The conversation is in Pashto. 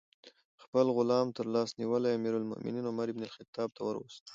خپل غلام ترلاس نیولی امیر المؤمنین عمر بن الخطاب ته وروست.